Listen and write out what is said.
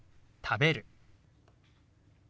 「食べる」。